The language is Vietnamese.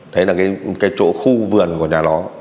thế là cái chỗ khu vườn của nhà nó